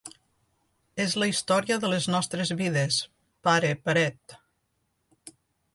És la història de les nostres vides, pare paret.